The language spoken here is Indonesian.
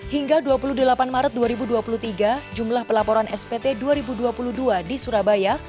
hingga dua puluh delapan maret dua ribu dua puluh tiga jumlah pelaporan spt dua ribu dua puluh dua di surabaya